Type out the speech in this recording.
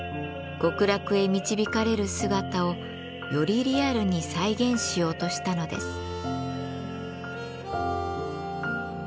極楽へ導かれる姿をよりリアルに再現しようとしたのです。